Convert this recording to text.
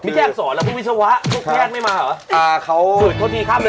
ไม่แค่อักษรแล้วผู้วิชาวะพวกแยกไม่มาเหรอ